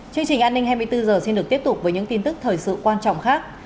chương trình an ninh hai mươi bốn h xin được tiếp tục với những tin tức thời sự quan trọng khác